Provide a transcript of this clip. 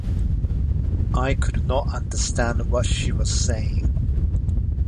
I could not understand what she was saying.